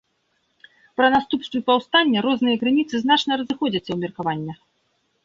Пра наступствы паўстання розныя крыніцы значна разыходзяцца ў меркаваннях.